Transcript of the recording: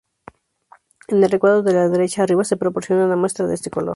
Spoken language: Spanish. En el recuadro de la derecha, arriba, se proporciona una muestra de este color.